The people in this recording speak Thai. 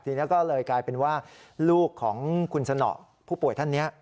ทีนี้ก็เลยกลายเป็นว่าลูกของคุณสนอผู้ป่วยท่านนี้